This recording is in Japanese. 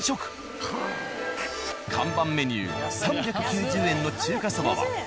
看板メニュー３９０円の中華そばは。